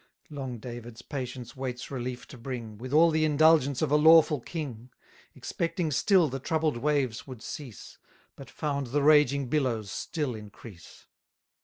Long David's patience waits relief to bring, With all the indulgence of a lawful king, Expecting still the troubled waves would cease, But found the raging billows still increase.